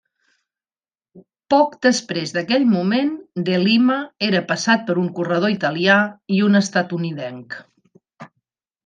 Poc després d'aquell moment, De Lima era passat per un corredor italià i un estatunidenc.